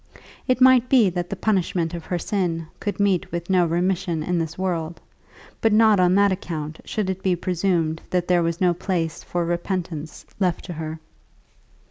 It might be that the punishment of her sin could meet with no remission in this world, but not on that account should it be presumed that there was no place for repentance left to her.